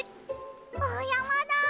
おやまだ！